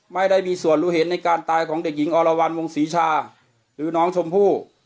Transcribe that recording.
ไม่ได้มีส่วนรู้เห็นในการตายของเด็กหญิงอรวรรณวงศรีชาหรือน้องชมพู่